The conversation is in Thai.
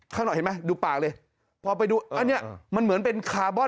ข้างหน่อยเห็นไหมดูปากเลยพอไปดูอันเนี้ยมันเหมือนเป็นคาร์บอน